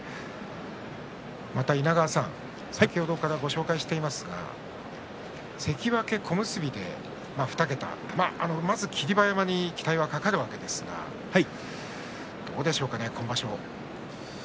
稲川さん、先ほどからご紹介していますが関脇小結で２桁まず霧馬山に期待がかかるわけですがどうでしょうかね、今場所。